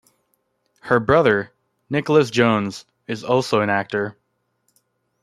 Her brother, Nicholas Jones, is also an actor.